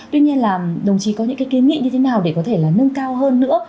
tuy nhiên là đồng chí có những cái kiến nghị như thế nào để có thể là nâng cao hơn nữa